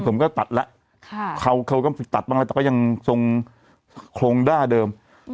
ผมก็ตัดแล้วเขาก็ตัดบ้างแล้วแต่ก็ยังทรงโครงด้าเดิม